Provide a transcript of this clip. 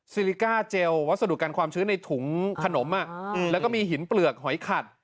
ลิก้าเจลวัสดุกันความชื้นในถุงขนมแล้วก็มีหินเปลือกหอยขัด